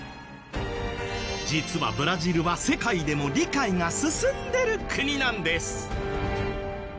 実はブラジルは世界でも理解が進んでる国なんです。